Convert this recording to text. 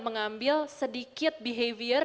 mengambil sedikit behavior